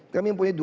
kami punya jemput